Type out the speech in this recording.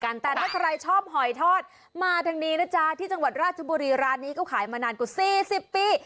แต่ถ้าใครชอบหอยทอดมาทางนี้นะจ๊ะที่จังหวัดราชบุรีร้านนี้ก็ขายมานานกว่า๔๐ปี